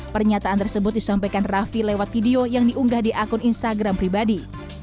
pernyataan tersebut disampaikan raffi lewat video yang diunggah di akun instagram pribadi